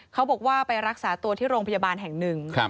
เขาบอกว่าไปรักษาตัวที่โรงพยาบาลแห่งหนึ่ง